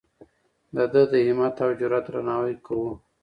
د ده د همت او جرئت درناوی کوو.